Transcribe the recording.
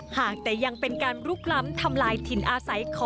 หากแต่ยังเป็นการลุกล้ำทำลายถิ่นอาศัยขอ